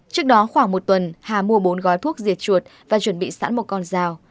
trước đó khoảng một tuần hà mua bốn gói thuốc diệt chuột và chuẩn bị sẵn một con rào